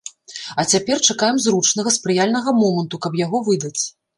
А цяпер чакаем зручнага, спрыяльнага моманту, каб яго выдаць.